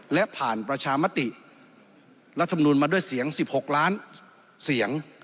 และผ่านประชามติรัฐมนุนมาด้วยเสียง๑๖ล้านเสียง